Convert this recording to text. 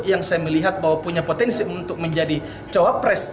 yang saya melihat bahwa punya potensi untuk menjadi cawapres